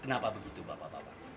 kenapa begitu bapak